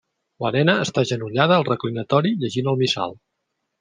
La nena està agenollada al reclinatori llegint el missal.